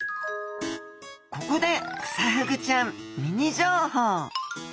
ここでクサフグちゃんミニ情報！